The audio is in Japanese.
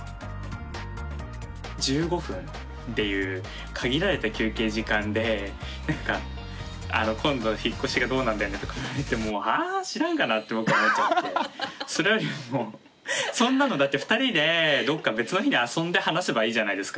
１５分っていう限られた休憩時間で「今度引っ越しがどうなんだよね」とか言われてもはあ知らんがなって僕は思っちゃってそれよりもそんなのだって２人でどっか別の日に遊んで話せばいいじゃないですか。